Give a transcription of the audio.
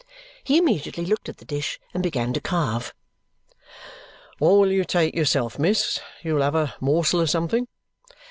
He immediately looked at the dish and began to carve. "What will you take yourself, miss? You'll take a morsel of something?"